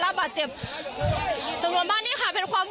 พระบุว่าจะมารับคนให้เดินทางเข้าไปในวัดพระธรรมกาลนะคะ